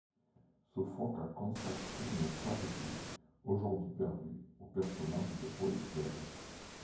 Sophocle a consacré une tragédie, aujourd'hui perdue, au personnage de Polixène.